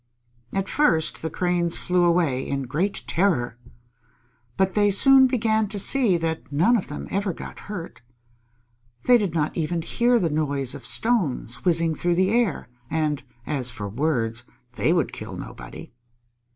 At first the Cranes flew away in great terror. But they soon began to see that none of them ever got hurt. They did not even hear the noise of stones whizzing through the air, and as for words, they would kill nobody.